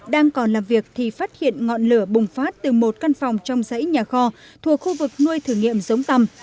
đang còn làm việc thì phát hiện ngọn lửa bùng phát từ một căn phòng trong dãy nhà kho thuộc khu vực nuôi thử nghiệm giống tầm